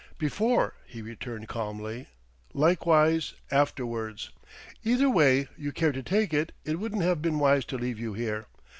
"Before," he returned calmly "likewise, afterwards. Either way you care to take it, it wouldn't have been wise to leave you here.